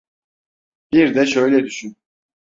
Bir de şöyle düşün.